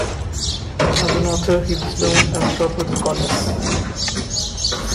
As an author he was known as Robert Collis.